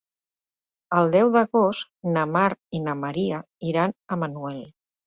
El deu d'agost na Mar i na Maria iran a Manuel.